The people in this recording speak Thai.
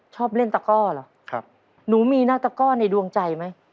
ชอบเล่นตะก้อเหรอครับหนูมีหน้าตะก้อในดวงใจไหม